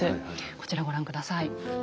こちらご覧下さい。